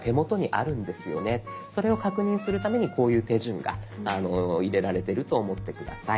それを確認するためにこういう手順が入れられてると思って下さい。